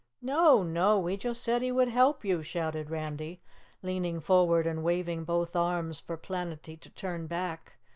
"No, no! We just said he would help you!" shouted Randy, leaning forward and waving both arms for Planetty to turn back.